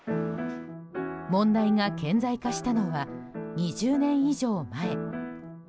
問題が顕在化したのは２０年以上前。